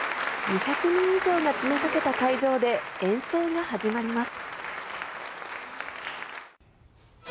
２００人以上が詰めかけた会場で、演奏が始まります。